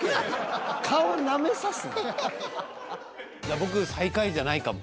僕最下位じゃないかも。